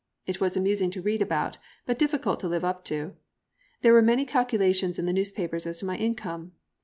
It was amusing to read about, but difficult to live up to. There were many calculations in the newspapers as to my income.